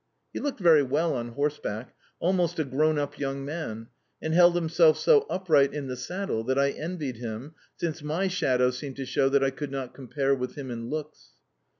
He looked very well on horseback almost a grown up young man, and held himself so upright in the saddle that I envied him since my shadow seemed to show that I could not compare with him in looks.